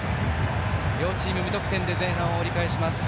両チーム、無得点で前半を折り返します。